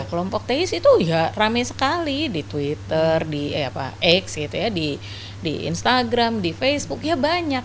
kelompok teis itu ya rame sekali di twitter di instagram di facebook ya banyak